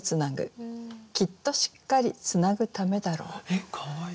えっかわいい。